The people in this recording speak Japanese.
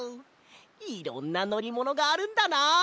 いろんなのりものがあるんだな。